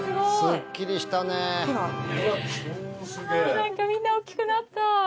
何かみんな大っきくなった。